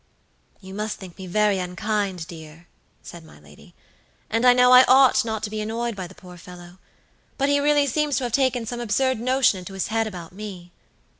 "You must think me very unkind, dear," said my lady, "and I know I ought not to be annoyed by the poor fellow; but he really seems to have taken some absurd notion into his head about me."